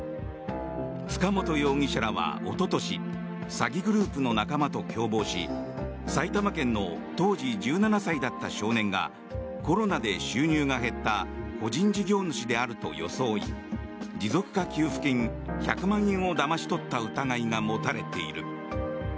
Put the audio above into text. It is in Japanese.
塚本容疑者らはおととし詐欺グループの仲間と共謀し埼玉県の当時、１７歳だった少年がコロナで収入が減った個人事業主であると装い持続化給付金１００万円をだまし取った疑いが持たれている。